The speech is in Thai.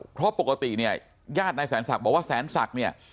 เพราะปกติเนี่ยญาตินายแสนศักดิ์บอกว่าแสนศักดิ์เนี่ย